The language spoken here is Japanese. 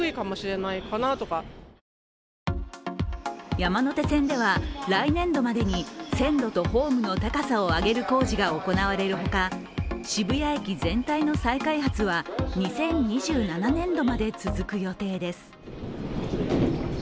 山手線では来年度までに線路とホームの高さを上げる工事が行われるほか渋谷駅全体の再開発は２０２７年度まで続く予定です。